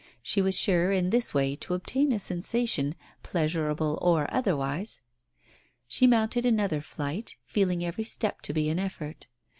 She was sure in this way to obtain a sensation, pleasurable or otherwise. She mounted another flight, feeling every step to be an effort.